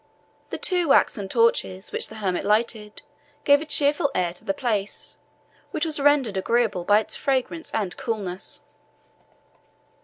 Two waxen torches, which the hermit lighted, gave a cheerful air to the place, which was rendered agreeable by its fragrance and coolness.